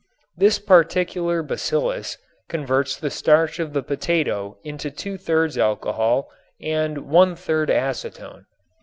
This particular bacillus converts the starch of the potato into two thirds alcohol and one third acetone.